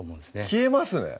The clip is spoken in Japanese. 消えますね